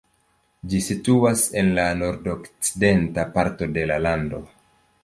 Ĝi situas en la nordokcidenta parto de la lando.